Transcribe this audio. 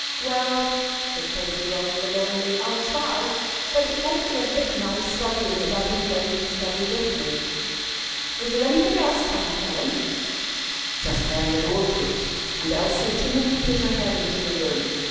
"Well," said Katy, rather forlornly, "I'll try. But it won't be a bit nice studying without anybody to study with me. Is there anything else, Cousin Helen?" Just then the door creaked, and Elsie timidly put her head into the room.